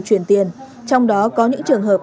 chuyển tiền trong đó có những trường hợp